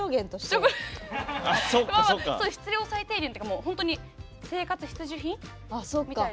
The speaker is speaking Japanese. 必要最低限というか生活必需品みたいな。